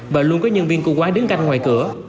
và luôn có nhân viên cơ quán đứng canh ngoài cửa